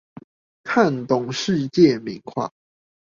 看懂世界名畫